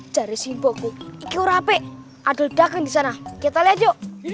series bobo curahp adel datang disana kita leco